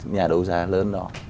nhà đô giá lớn đó